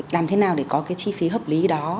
làm thế nào để có cái chi phí hợp lý đó